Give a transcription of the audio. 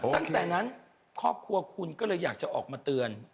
ตั้งแต่นั้นครอบครัวคุณก็เลยอยากจะออกมาเตือน